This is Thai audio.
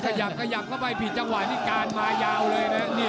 ขยับขยับเข้าไปผิดจังหวะนี่การมายาวเลยนะ